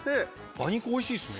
・馬肉おいしいですね・